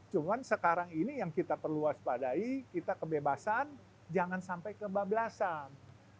cuma sekarang ini yang kita perlu waspadai kita kebebasan jangan sampai kebablasan